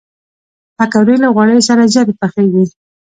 پکورې له غوړیو سره زیاتې پخېږي